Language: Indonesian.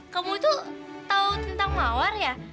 kamu tuh tau tentang maor ya